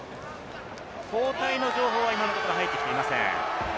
交代の情報は今のところ入ってきていません。